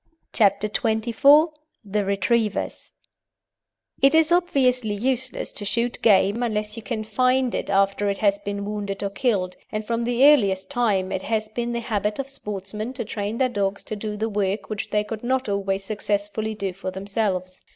CHAPTER XXIV THE RETRIEVERS It is obviously useless to shoot game unless you can find it after it has been wounded or killed, and from the earliest times it has been the habit of sportsmen to train their dogs to do the work which they could not always successfully do for themselves.